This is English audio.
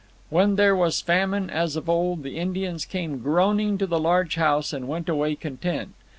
When there was famine, as of old, the Indians came groaning to the large house and went away content.